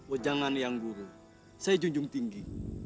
oh jangan yang buruk saya junjung tinggi